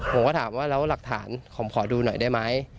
ผมก็ถามว่าแล้วหลักฐานผมขอดูหน่อยได้ไหม